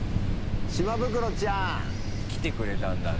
島袋ちゃん！来てくれたんだね。